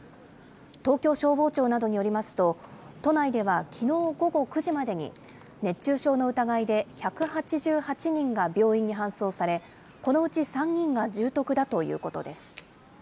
東京消防庁などによりますと、都内ではきのう午後９時までに、熱中症の疑いで１８８人が病院に搬送され、このうち３人が重篤だということです。